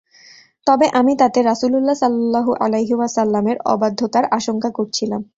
তবে আমি তাতে রাসূলুল্লাহ সাল্লাল্লাহু আলাইহি ওয়াসাল্লামের অবাধ্যতার আশঙ্কা করছিলাম।